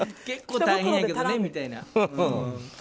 結構大変やけどねみたいな。